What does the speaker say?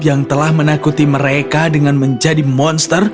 yang telah menakuti mereka dengan menjadi monster